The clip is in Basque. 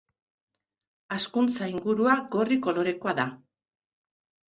Hazkuntza ingurua gorri kolorekoa da.